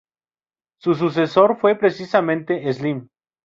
Su sucesor fue precisamente Slim.